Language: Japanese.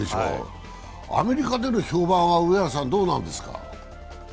アメリカでの評判はどうなんですか？